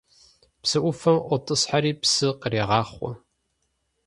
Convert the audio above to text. Псы Ӏуфэм ӏуотӏысхьэри псы кърегъахъуэ.